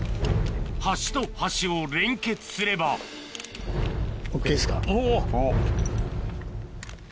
端と端を連結すればＯＫです。